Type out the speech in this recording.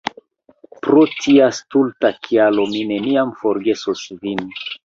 Pro tia stulta kialo mi neniam forgesos vin!